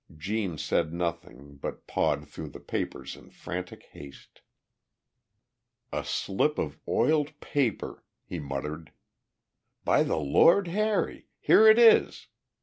Gene said nothing, but pawed through the papers in frantic haste. "A slip of oiled paper," he muttered. "By the Lord Harry! here it is!"